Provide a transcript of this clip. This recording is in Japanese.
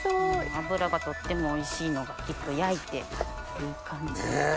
脂がとってもおいしいのがきっと焼いていい感じに。ねぇ！